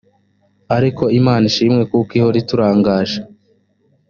ariko imana ishimwe kuko ihora iturangaje